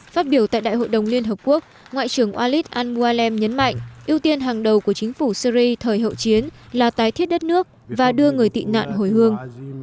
phát biểu tại đại hội đồng liên hợp quốc ngoại trưởng walid al mualem nhấn mạnh ưu tiên hàng đầu của chính phủ syri thời hậu chiến là tái thiết đất nước và đưa người tị nạn hồi hương